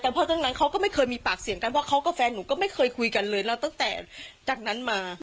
แต่เพราะทั้งนั้นเขาก็ไม่เคยมีปากเสียงกันเพราะเขากับแฟนหนูก็ไม่เคยคุยกันเลยแล้วตั้งแต่จากนั้นมา